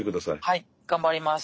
はい頑張ります。